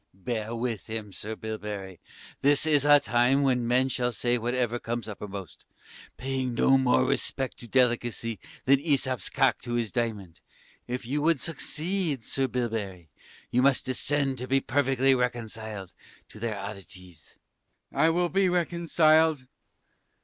Pan. Bear with him, Sir Bilberry; this is a time when men will say whatever comes uppermost, paying no more respect to delicacy than Æsops's cock to his diamond. If you would succeed, Sir Bilberry, you must descend to be perfectly reconciled to their oddities. Sir B. I will be reconciled.